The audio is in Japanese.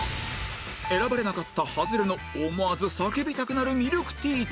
選ばれなかったハズレの思わず叫びたくなるミルクティーとは